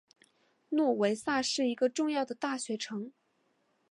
诺维萨是一个重要的大学城。